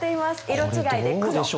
色違いで黒。